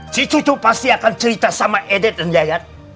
si cucu pasti akan cerita sama edet dan jayat